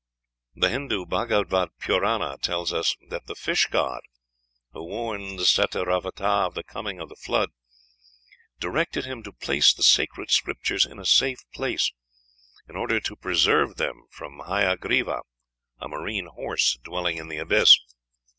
The Hindoo Bhâgavata Purâna tells us that the fish god, who warned Satyravata of the coming of the Flood, directed him to place the sacred Scriptures in a safe place, "in order to preserve them from Hayagriva, a marine horse dwelling in the abyss."